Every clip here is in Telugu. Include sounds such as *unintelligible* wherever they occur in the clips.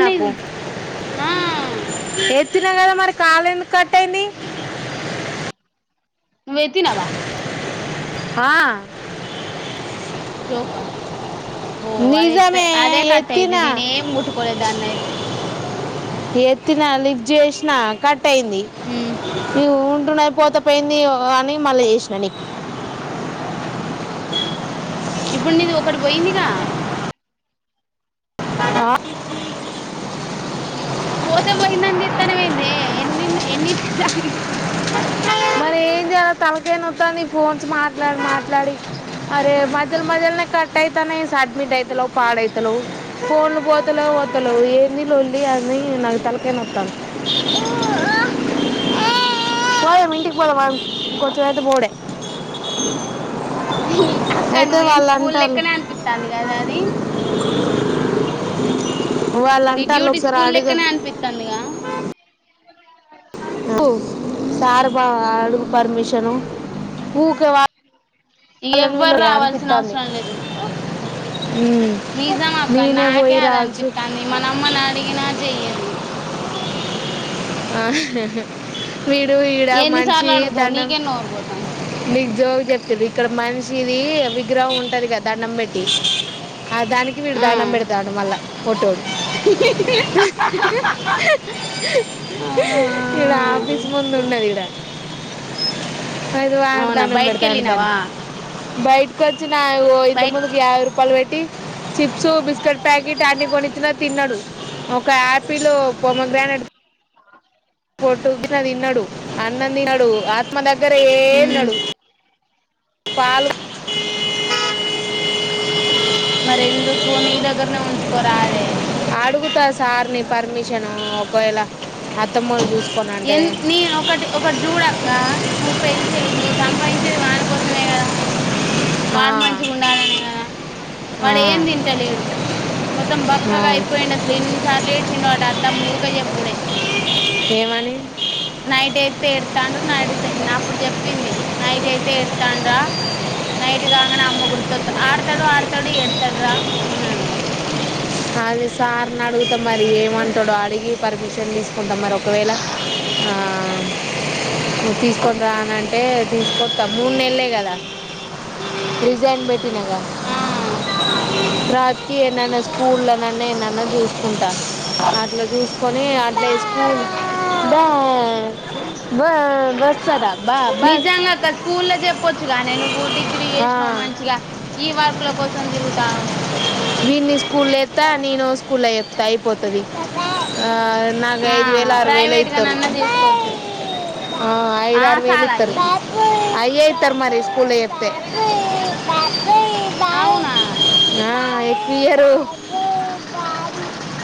నాకు ఆ ఎత్తి కదా మరి కాల్ ఎందుకు కట్టఇంది నువ్ ఎత్తినవా హా జోకా ఓ అదై నిజమే అదే కట్టయిది ఎత్తినా నేనే ఏం ముట్టుకోలే దన్ని అయితే ఎత్తిన లిఫ్ట్ చేసి నా కట్ ట్టయింది ఉమ్ *unintelligible* అయిపోత పోయింది అని మళ్ళీ చేసిన నీకు ఇప్పుడు నీది ఒకటి పొయ్యిందిగా ఆ పోతే పోయిందాని చేత్తానవేందే ఎన్నిన్ని ఎన్నిట్ల *unintelligible* తలకాయ్ నొస్తాంది ఫోన్స్ మాట్లాడి మాట్లాడి అరే మధ్యల మధ్యలనే కట్ ఐతాన్నై సడ్మిట్ ఐతలేవు పాడైతలేవు ఫోన్లు పోతలే పోతలేవు ఏందీ లొల్లి అని నాకు తలకాయ్ నొత్తాంది పోయే మి ఇంటికి పోదాం ఆగు కొంచెమైతె పోవుడే అక్క నువ్వ ఏం స్కూల్ లక్కనే అనిపిత్తాంది కదా అది వాళ్ళు నీ అంటాళ్ళు డ్యూటీ ఒకసారి స్కూల్ అడుగు లెక్కనే అనిపిత్తాందిగా సార్ బా అడుగు పర్మిషను ఊక వా ఎవ్వరు రావాల్సిన అవసరం లేదు నిజం అక్క నేనే నాకే పోయి రావచ్చు అదనిపిత్తాంది మనమ్మని అడిగినా చెయ్యదు ఆ వీడు ఈడ ఎన్నిసార్లు మనిషి అడుగుతావు దండం నీకే నోరు పోతాంది మీకు జోగు చెప్తుది ఇక్కడ మన్ ఇది విగ్రహం ఉంటది కదా దండం పెట్టి ఆ దానికి వీడు దండం ఆ పెడతాన్నాడు మళ్ళా ఓకే *unintelligible* ఆ ఈడ ఆఫీస్ ముందు ఉన్నది ఈడ ఇది వాడతాం అవునా బయటికి అనబడుతాండు దాని వెళ్ళినావా బై *unintelligible* నాకు ఇంతకు బయటికి ముందుకు యాభ రూపాయలు పెట్ చిప్స్ బిస్కెట్ ప్యాకెట్ అన్ని కొనిచ్చిన తిన్నాడు ఒక యాపిల్ పమోగ్రానేట్ అ *unintelligible* టు తన్నడు అన్నం తినడు ఆత్మ దా డే మ్మ్. ఉన్నడు పాలు మరి ఎందుకు నీ దగ్గరనే ఉంచుకోరాదే పోయేలా అత్తమోల్లు చూసి ఎన్ నీ ఒకటి ఒకటి చూడక్క నువ్వు పెంచేది నువ్వు సంపాదించేది వాని కోసమే కదా "ఆ, వాడు మంచిగుండాలనే కదా ఆ, వాడు ఏం తింటలేడు మొత్తం ఆ." బక్కగా అయిపోయిండు అసలు ఎన్నిసార్లు ఏడ్చండో వాడు అత్తమ్మ ఊక చెప్పుడే ఏమని నైట్ అయితే ఎడుత్తాండు నైటైతే అప్పుడు చెప్పింది నైట్ అయితే ఎడుతాన్రా నైట్ కాంగనే అమ్మ గుర్త ఆడతాడు ఆడతాడు ఎడు త్తాడ్రా అన్నన్నది అదే సార్ నడుగుత మరి ఏమంటాడో అడిగి పర్మిషన్ తీసుకుంటాం. మరి ఒకవేళ ఆ తీసుకని రా అనింటే తీసుకొస్తాం మూడు నెల కదా రిజై న్ పెట్ న్నావ్ గా ఆ రాత్రి ఎనాన్న ఉన్న మండి *unintelligible* చూసుకుంట అట్లా చూసుకని అట్లే స్కూల్ బా బస్ నిజంగాక్క స్కూల్ లో చెప్పొచ్చుగానే నువ్వు డిగ్రీ ఆ, చేసినావు మంచిగా ఈ వర్క్ల కోసం తిరుగుతాన్నవ్ స్కూలెత్త నేనో స్కూల్ అయిపోతది నాకు ఆ ఐదు వేలో ఆరు వేలో ప్రైవేట్ గా ఇత్తరు నన్నా చేసుకోవచ్చు ఆ ఐదు ఆ ఆరు వేలు ఇత్తరు సాలాయి అయ్యే ఇత్తరు మరి స్కూల్ లో చెప్తే అవునా ఈయరు ఆ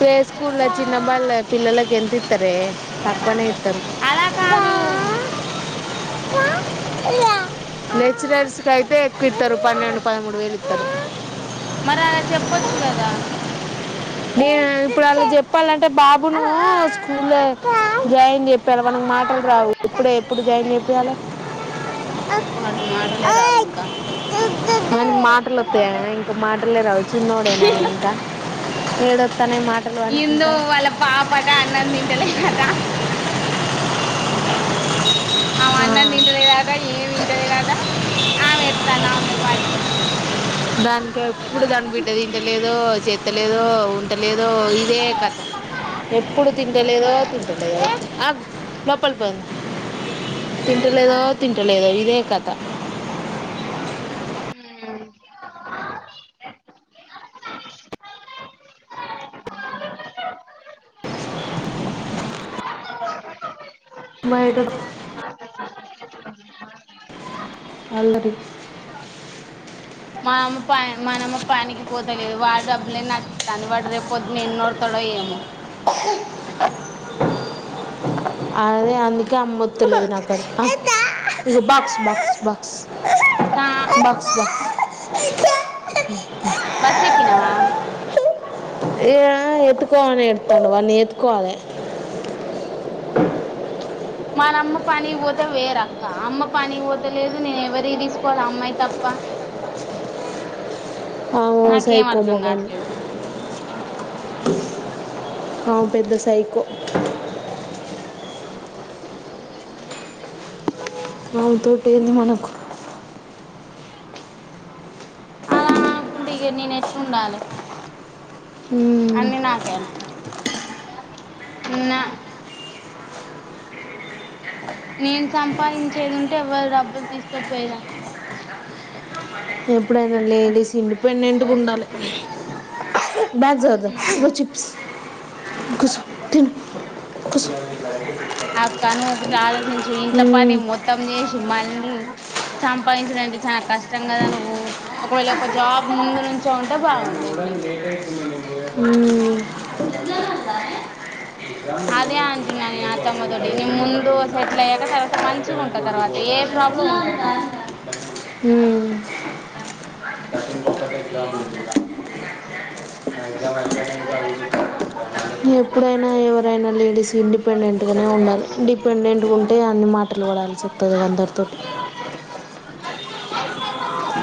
వ స్కూల్ల చిన్న బాల్ల పిల్ల లకి గెంతీ త్తరు తకువనే ఇ త్తరు అలా కాదు నేచురల్స్ అయితే ఎక్కువ ఇత్తరు పన్నెండు పదమూడు వేలు ఇత్తరు మరి అలా చెప్పొచ్చు కదా నేను ఇప్పుడు అళ్ళు చెప్పాలంటే బాబును స్కూల్ల జాయిన్ చెత్తన్నా వానికి మాటలు రావు ఇప్పుడే ఎప్పుడు జాయిన్ చెపీ యాలి వాడికి మాటలే రావు ఇంకా అనికి మాటలు వత్త యా ఇంకా మాట *unintelligible* చిన్నోడే నా ఇంకా ఏడు ఎందొ వాళ్ళ పాప ఆట అన్నం తింటలే ఆట అమే అన్నం ఆ. తింటలే ఆట ఏం వింటలే ఆట ఆమె ఎడ్తండి ఆమె తో పాటు దానికి ఎప్పుడు దాని బిడ్డ తింటలేదు చెత్తలేదొ ఉండలేదు దో ఇదే కథ ఎప్పుడు తింటలేదో తింటలేదో అ లోప్పల్కి పో తింటలేదో తింటలేదొ ఇదే కథ హు మైడం అల్ల రి మ ఆమ్మ ప మనమ్మ పనికి పోతలేదు. వాడు డబ్బుల న్నీ నాకు ఇస్తండు. వాడు రేపు పొద్దున ఎన్ని ఒర్రుతాడో ఏమో అదే అందుకే అమ్మెత్తలేదు నాకు కాడికి తా బస్ ఎకినావా ఇగా ఆ ఏత్తుకో అని ఎడుతాండు వాన్ని ఏతుకోవాలే మానమ్మ పని పోతే వేరక్క అమ్మ పని పోతలేదు నేను ఎవరి తీసుకోవాలి అమ్మాయి తప్ప ఆమో నాకేం సైకో అర్థం మొకం ది కావట్లేదు అవు పెద్ద సైకో ఆమె తోటెంది మనకు అలా అనుకుంటే ఇగ నేను ఎట్లా ఉండాలే ఉమ్. అన్ని నాక్ ఎంత ఉ నా నేను సంపాదించేది ఉంటే ఎవరు డబ్బులు తీసుకోపోయేదాన్ని గా ఎప్పుడైనా లేడీస్ ఇండిపెండెంట్గా సంపాదిస్తాను ఉండాలి బ్యాగ్ సర్దుధం ఇగో చిప్స్ కుసో తిన్ కుసో ఆక్కను ఒకటి ఆలోచించు ఇంట్ల పని మ్మ్. మొత్తం చేసి మళ్ళీ సంపాదించడంంటే చాలా కష్టం కదా నువ్వు ఒకవేళ ఒక జాబ్ ముందు నుంచో ఉంటే బాగు ఉమ్ అదే అంటున్నా నేను ఆ త్తమ్మ తోటి నీ ముందు సెటిల్ అయ్యాక తర్వాత మంచిగా ఉంట తర్వాత ఏ ప్రాబ్లం ఉండదు నాకు హుమ్ ఎప్పుడైనా ఎవరైనా లేడీస్ ఇండిపెండెంట్ ట్గానే ఉండాలి డిపెండెంట్గా ఉంటే అన్ని మాటలు పడాల్సి వస్తది అందరితోటి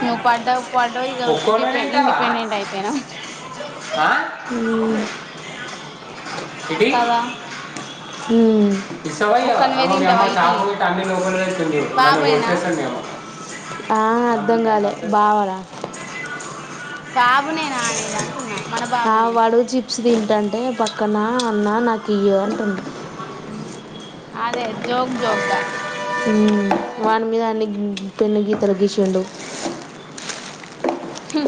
ను పడ్డావ్ హుమ్ అయిపోయినావు కదా హుం ఇసవ ఇయవ ఒక్కనివే ఆగా మీ అమ్మ తింటావా ఇటీ చాకు పెట్టి అన్నే లోపల పెడుతుంది నన్ను బాబునేనా కొడిసేస్తానేమో బా అర్థం కాలే బావ రా బాబు నేనా అనేది అంటున్నా మన బాబు నేనా దంటంటే పక్కన అన్న నాకు ఇయ్యు అంటుంది అదే జోగ్ జోగ్గా హుమ్ వాని మీదా అన్ని గిన్ పెన్ను గీతలు గీసిండు హ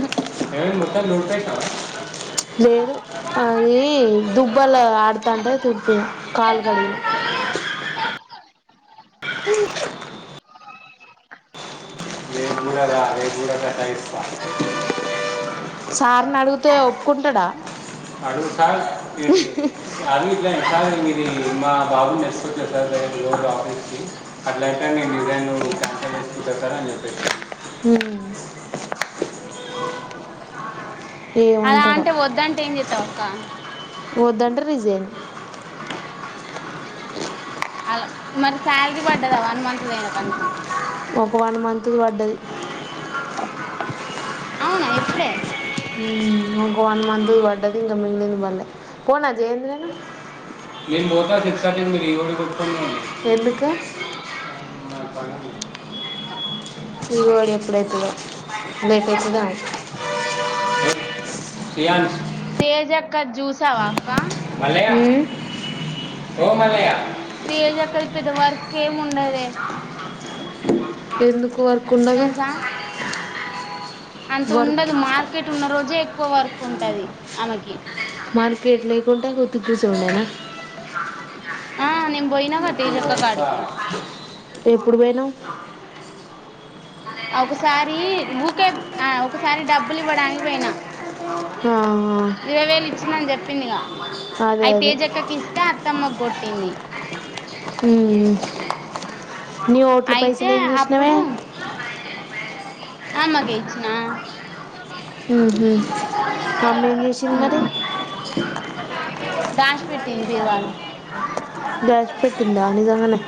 ఏ మొత్తాం నోపే లేదు అది దుబ్బలా ఆడుతాంటే తిపో కాలు కడిగినా సార్ని అడిగితే ఒప్పుకుంటాడా అడుగు సార్ ఇది ఇట్లా *unintelligible* సార్ ఇది మా బాబు *unintelligible* అట్లయితే నేను డిజైన్ కాన్సల్ చేసుకుంటా సార్ అని చెప్పే హ అలా ఏమంటాడో అంటే వద్దంటే ఏం చేస్తావు ఒక్క వద్దంటే రిజైన్ అలా మరి శాలరీ పడ్డదా వన్ మంత్ ది అయినా కనీసం ఒక వన్ మంత్ ది వడ్డది అవునా ఎప్పుడే ఒక వన్ మంత్ ది పడ్డది ఇంకా మిగిలింది పడలే పోవన్న జి ఏం జేయను నేను పోత సిక్స్ తర్టీ కీ నువ్ లీవ్ పెట్టుకొని రా ఎందుకు నాకు పని ఉంది *inaudible* ఇ వాడి ఎప్పుడు అవుతాదో లేట్ అవుతుదా తేజ్ అక్క ది జూసావా మల్లయ్య ఓ మల్లయ్య తేజక్కది పెద్ద వర్క్ ఏం ఉండదే ఎందుకు వర్కు కుండదు తెలుసా అంత వర్క్ ఉండదు మార్కెట్ ఉన్న రోజే ఎక్కువ వర్క్ ఉంటది ఆమెకి మార్కేట్ లేకుంటే వట్టిగా కూసునూడేనా ఆ నేను పోయినాగా తేజక్క కాడికి ఎప్పుడు పోయినవ్ ఒకసారి ఊకే ఆ ఒకసారి డబ్బులు ఇవ్వడానికి పోయినా ఆ, ఇరవై వేలు ఇచ్చిందని చెప్పింది గా అదే అయి అదే తేజక్కకి ఇస్తే అత్తమ్మకు కొట్టింది ఉ ఉ నీ ఓట్ల అయితే పైసలు ఏం చేసినవే అమ్మ కె ఇచ్చిన ఉ హ్ అమ్మేం చేసింది మరి పెట్టింది బీరువాలా దాచి పెట్టిందా నిజంగానే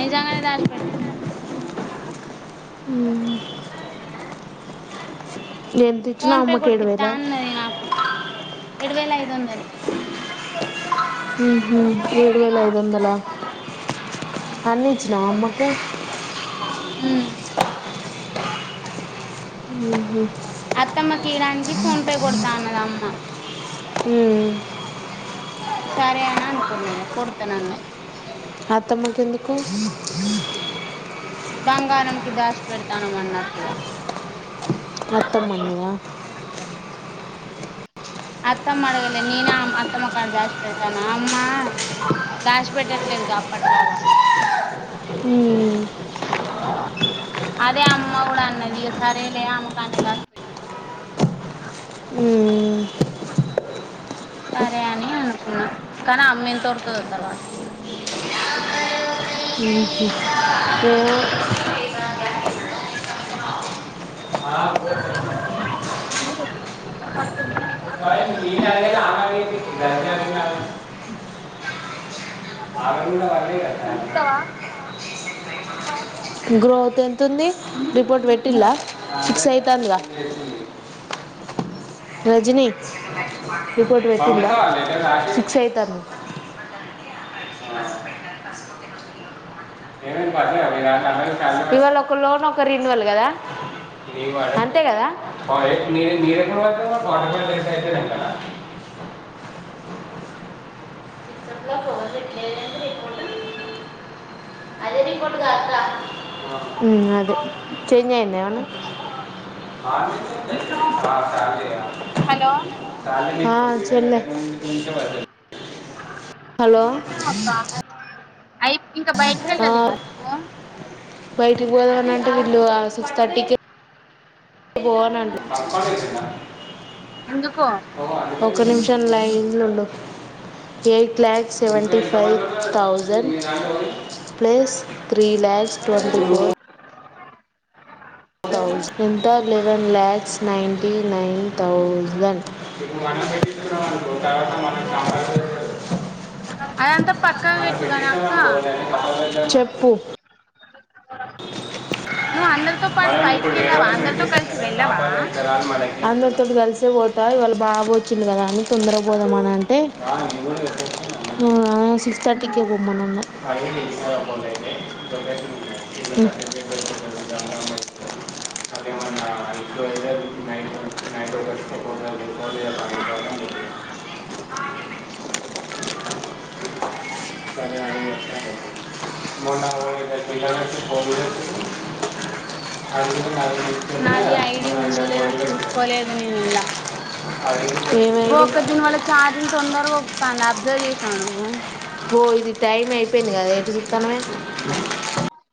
నిజంగానే దాష్ పేట్ ఎంత ఫోన్ ఇచ్చినావు పే అమ్మకి ఏడు కొట్టిత్తా వేల అన్నది నాకు ఏడు వేల ఐదు వందలు ఉహ్ ఏడు వేల ఐదు వందల అన్నిచ్చినవా అమ్మ కె ఉ ఆ హ అత్తమ్మ కీ ఇయ్యడానికి ఫోన్ పే కొడతాన్నదమ్మ ఉ సరే అని అనుకున్న ఇగా కొడ్తానన్నది అత్తమ్మకు ఎందుకు బంగారంకి దాష్ పెడతానం అన్నట్టు ఇగా అత్తమ్మ అన్నదా అత్తమ్మ అడగలే నేనేమ్ అత్తమ్మ కాడ దాచి పెడతాను అమ్మ దాచ పెట్టట్లేదుగా అప్పట్లాగా ఉమ్ అదే అమ్మ కూడా అన్న ఇగ సరేలే అమే కాన్నే దాసి పెట్టుకో అన్నది ఏమో సరే అని అనుకున్నా కానీ అమ్మ ఎంత ఒర్రుతాదో తర్వాత *unintelligible* గ్రోత్ ఎంతుంది రిపోర్ట్ పెట్టిలా సిక్స్ అయితాందిగా రజనీ రిపోర్ట్ వచ్చిందా సిక్స్ అయితంది ఇవాళ ఒక లోన్ ఒక రిన్ వల్ కదా అంతే కదా అదే చెంజ్ అయ్యిందా ఎమన్నా హలో ఆ చెల్లె హలో అక్క అయి ఇంకా బయట ఆ, వెళ్ళాలివా నువ్వు బయటికి పోదామనింటే వీళ్ళు సిక్స్ థర్టీకి అ పోవను ఎందుకు ఓ ఒక్క నిమిషం లైంలు ఉండు eight lakhs seventy five thousand plus three lakhs twenty four thousand ఎంత eleven lakhs ninety nine thousand అదంతా పక్కన మనం పెట్టుగాను పెట్టిస్తాం అక్క అనుకోవాలని కాపాడాలి చెప్పు *unintelligible* నువ్వు అందరితో పాటు బయటికి వెళ్ళావా అందరితో కలిసి వెళ్ళావా *unintelligible* అందరితోటి కలిసే పోతా ఇవాళ బావా వచ్చిండు కదా అని తొందర పోదామ అని అంటే సిక్స్ థర్టీకే పోమ్మను ఉన్న *unintelligible* అ అ *unintelligible* నాది ఐడి ఉందో లేదో చూసుకోలేదు నేను ఇల్లా అ *unintelligible* ఒక్క దీని వల్ల చార్జింగ్ తొందరగా ఒకతుంది అబ్సర్వ్ చేసినవా నువ్ ఓ ఇది టైం అయిపోయింది కదా ఎటు చూస్తానవె